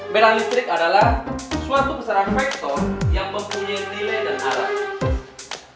beda listrik adalah suatu peserang faktor yang mempunyai nilai dan arah